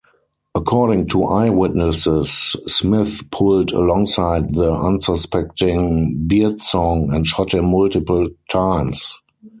According to eyewitnesses, Smith pulled alongside the unsuspecting Byrdsong and shot him multiple times.